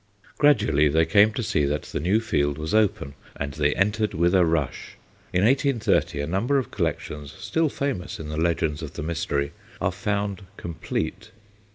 Gradually they came to see that the new field was open, and they entered with a rush. In 1830 a number of collections still famous in the legends of the mystery are found complete.